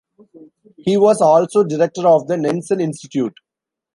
He was also director of the Nansen Institute.